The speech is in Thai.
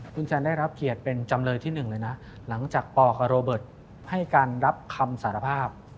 คุณแซนได้รับเกียรติเป็นจำเลยที่หนึ่งเลยนะหลังจากปกับโรเบิร์ตให้การรับคำสารภาพ